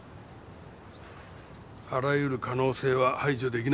あらゆる可能性は排除出来ない。